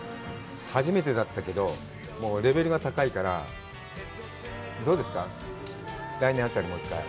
初めてだったけど、レベルが高いから、どうですか、来年あたり、もう１回？